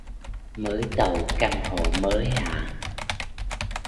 Mới tậu căn hộ mới hả